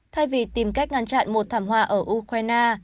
thay vì tìm cách ngăn chặn một thảm họa ở ukraine